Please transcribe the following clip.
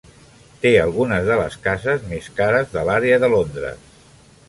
Té algunes de les cases més cares de l'àrea de Londres.